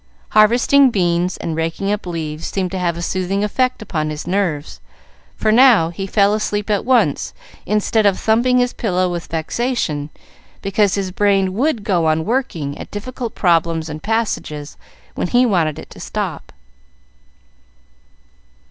Harvesting beans and raking up leaves seemed to have a soothing effect upon his nerves, for now he fell asleep at once instead of thumping his pillow with vexation because his brain would go on working at difficult problems and passages when he wanted it to stop.